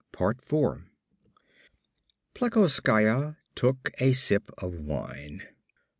Plekoskaya took a sip of wine.